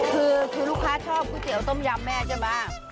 คือลูกค้าชอบก๋วยเตี๋ยวต้มยำแม่ใช่ไหม